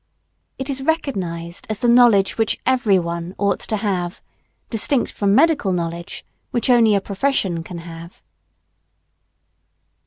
It is recognized as the knowledge which every one ought to have distinct from medical knowledge, which only a profession can have.